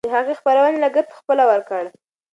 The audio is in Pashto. هغې د خپرونې لګښت پخپله ورکړ.